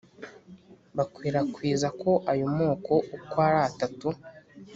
bakwirakwiza ko ayo moko uko ari atatu